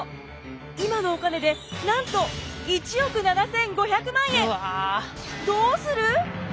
今のお金でなんと１億７，５００万円！